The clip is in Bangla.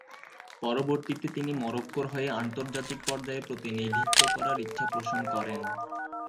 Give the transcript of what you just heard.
পরবর্তীতে তিনি মরক্কোর হয়ে আন্তর্জাতিক পর্যায়ে প্রতিনিধিত্ব করার ইচ্ছা পোষণ করেন।